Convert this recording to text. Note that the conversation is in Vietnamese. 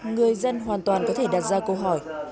người dân hoàn toàn có thể đặt ra câu hỏi